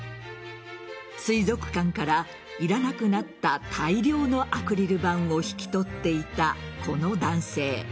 水族館から、いらなくなった大量のアクリル板を引き取っていたこの男性。